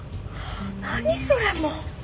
何それもう。